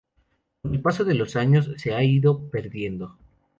Con el paso de los años se ha ido perdiendo.